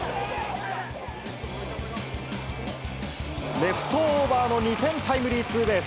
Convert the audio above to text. レフトオーバーの２点タイムリーツーベース。